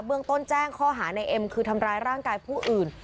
เมืองต้นแจ้งข้อหาในเอ็มคือทำร้ายร่างกายผู้อื่น